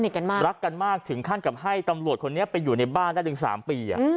กันมากรักกันมากถึงขั้นกับให้ตำรวจคนนี้ไปอยู่ในบ้านได้ถึง๓ปี